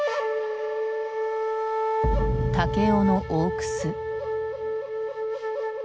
武雄の大楠。